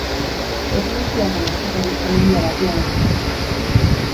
Eskoziako merkatari familia batean jaio zen.